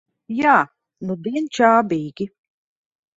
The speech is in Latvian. Jā, nudien čābīgi.